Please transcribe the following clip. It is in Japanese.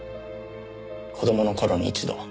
子供の頃に一度。